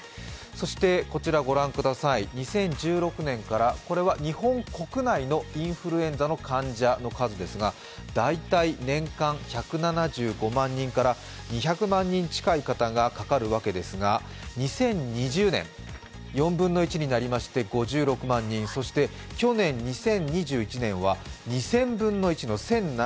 そして、２０１６年から、これは日本国内のインフルエンザの患者の数ですが、大体、年間１７５万人から２００万人近い方がかかるわけなんですが、２０２０年、４分の１になりまして５６万人そして去年２０２１年は２０００分の１の１０７１人。